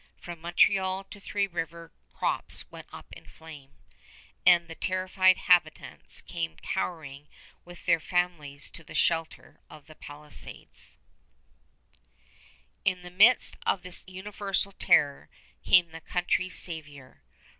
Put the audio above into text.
From Montreal to Three Rivers crops went up in flame, and the terrified habitants came cowering with their families to the shelter of the palisades. [Illustration: WILLIAM OF ORANGE] In the midst of this universal terror came the country's savior.